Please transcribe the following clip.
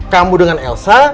kamu dengan elsa